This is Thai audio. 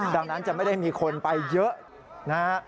ดังนั้นจะไม่ได้มีคนไปเยอะนะฮะ